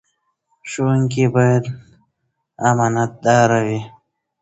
ښوونکي باید امانتدار وي.